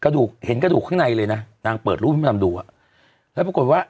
กระดูกเห็นกระดูกข้างในเลยนะนางเปิดรูปให้มดำดูอ่ะแล้วปรากฏว่า